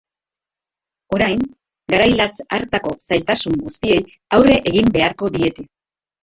Orain, garai latz hartako zailtasun guztiei aurre egin beharko diete.